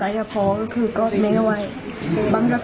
อ๋อเอาไว้ก็กันนะมีลดลดไม่ก็โทรฮ่าน้องชาย